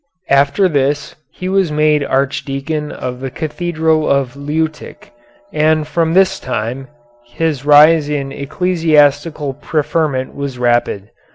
After this he was made Archdeacon of the Cathedral of Lüttich, and from this time his rise in ecclesiastical preferment was rapid.